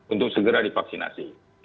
untuk segera divaksinasi